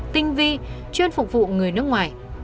tinh vi chuyên phục vụ người nước ngoài